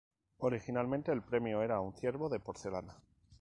Originalmente el premio era un ciervo de porcelana.